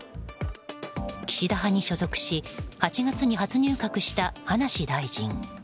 岸田派に所属し８月に初入閣した葉梨大臣。